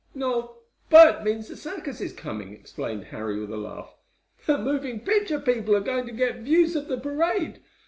"No, Bert means the circus is coming," explained Harry, with a laugh. "The moving picture people are going to get views of the parade.